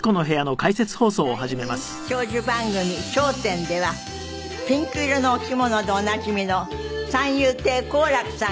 大人気長寿番組『笑点』ではピンク色のお着物でおなじみの三遊亭好楽さん